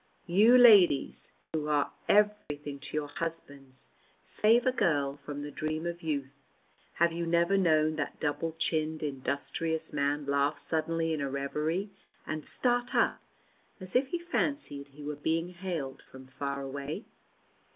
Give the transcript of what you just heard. You ladies who are everything to your husbands save a girl from the dream of youth, have you never known that double chinned industrious man laugh suddenly in a reverie and start up, as if he fancied he were being hailed from far away?